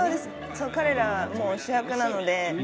彼らは主役なので。